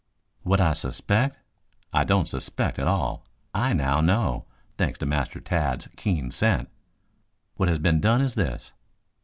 "What I suspect? I don't suspect at all. I know now, thanks to Master Tad's keen scent. What has been done is this.